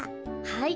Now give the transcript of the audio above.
はい。